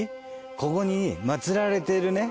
ここにまつられているね